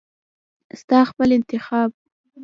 ستا خپل انتخاب .